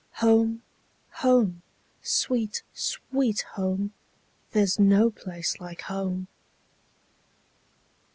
Home! home! sweet, sweet home! There 's no place like home!